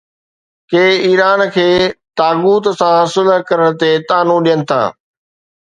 ڪي Iran کي طاغوت سان صلح ڪرڻ تي طعنو ڏين ٿا.